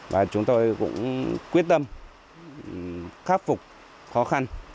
và chúng tôi cũng quyết tâm khắc phục khó khăn